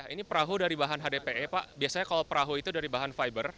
ini perahu dari bahan hdpe pak biasanya kalau perahu itu dari bahan fiber